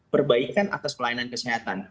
perbaikan atas pelayanan kesehatan